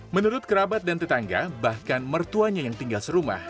menurut kerabat dan tetangga bahkan mertuanya yang tinggal serumah